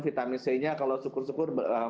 vitamin c nya kalau syukur syukur